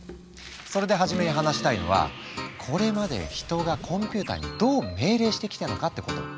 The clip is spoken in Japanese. それで初めに話したいのはこれまで人がコンピューターにどう命令してきたのかってこと。